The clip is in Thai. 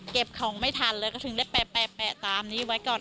เก็บของไม่ทันเลยก็ถึงได้แปะตามนี้ไว้ก่อน